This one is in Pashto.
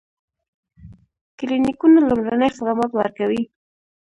کلینیکونه لومړني خدمات ورکوي